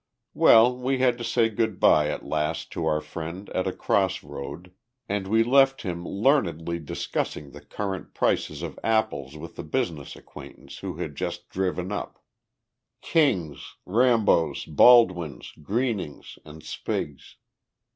Well, we had to say good bye at last to our friend at a cross road, and we left him learnedly discussing the current prices of apples with a business acquaintance who had just driven up Kings, Rambos, Baldwins, Greenings, and Spigs.